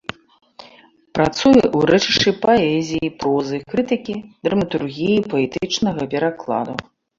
Працуе ў рэчышчы паэзіі, прозы, крытыкі, драматургіі, паэтычнага перакладу.